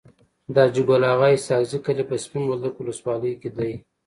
د حاجي ګل اغا اسحق زي کلی په سپين بولدک ولسوالی کي دی.